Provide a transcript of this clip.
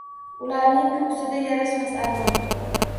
Ularning ko’ksida yashamas armon.